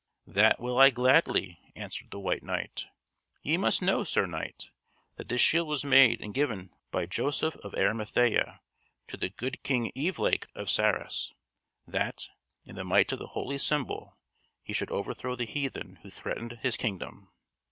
"That will I gladly," answered the White Knight. "Ye must know, Sir Knight, that this shield was made and given by Joseph of Arimathea to the good King Evelake of Sarras, that, in the might of the holy symbol, he should overthrow the heathen who threatened his kingdom.